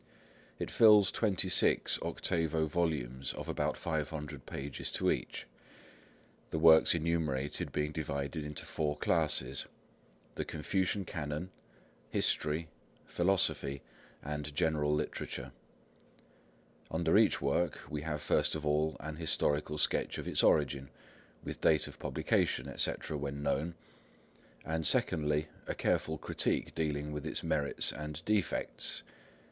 It fills twenty six octavo volumes of about five hundred pages to each, the works enumerated being divided into four classes,—the Confucian Canon, History, Philosophy, and General Literature. Under each work we have first of all an historical sketch of its origin, with date of publication, etc., when known; and secondly, a careful critique dealing with its merits and defects.